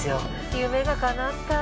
夢がかなった。